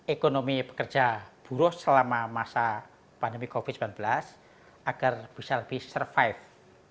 ekonomi pekerja buruh selama masa pandemi covid sembilan belas agar bisa lebih survive